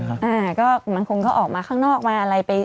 อ่าก็มันคงเขาออกมาข้างนอกมาอะไร